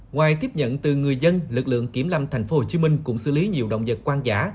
ngoài tiếp nhận từ người dân lực lượng kiểm lâm tp hcm cũng xử lý nhiều động vật hoang dã